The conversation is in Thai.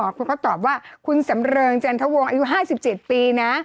เขาก็ตอบว่าคุณสำเริงจันทวงอายุ๕๗ปีนะ